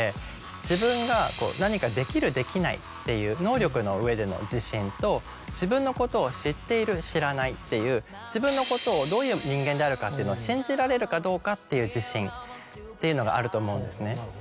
自分が何かできるできないっていう能力の上での自信と自分のことを知っている知らないっていう自分のことをどういう人間であるかっていうのを信じられるかどうかっていう自信っていうのがあると思うんですね。